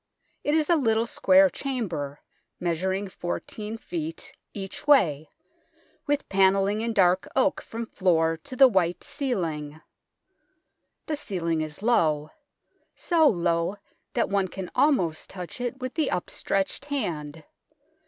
It is a little square chamber, measuring 14 ft. each way, with panelling in dark oak from floor to the white ceiling. The ceiling is low so low that one can almost touch it with the upstretched hand.